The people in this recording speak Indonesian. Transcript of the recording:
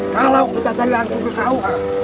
kalau kita tadi langsung ke kau